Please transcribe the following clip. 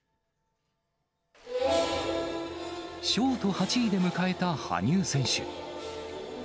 ショート８位で迎えた羽生選手。